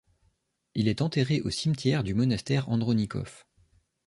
Il est enterré au cimetière du monastère Andronikov.